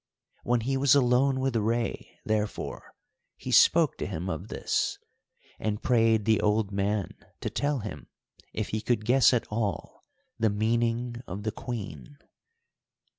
When he was alone with Rei, therefore, he spoke to him of this, and prayed the old man to tell him if he could guess at all the meaning of the Queen.